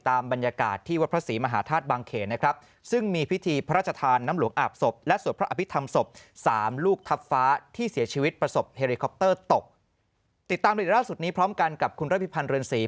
ตกติดตามรายละเอียดล่าสุดนี้พร้อมกันกับคุณรับีพันธ์เรือนศรี